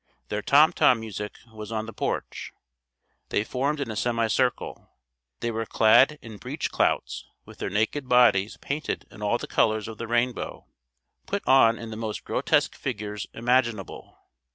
Their tom tom music was on the porch. They formed in a semi circle. They were clad in breech clouts with their naked bodies painted in all the colors of the rainbow, put on in the most grotesque figures imaginable.